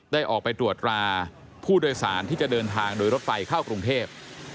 ได้ออกไปตรวจราผู้โดยสารที่จะเดินทางโดยรถไฟเข้ากรุงเทพ